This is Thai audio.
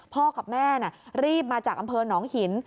กับแม่รีบมาจากอำเภอหนองหิน